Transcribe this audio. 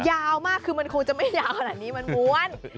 ยาวมากคือมันคงจะไม่ยาวขนาดนี้มันม้วน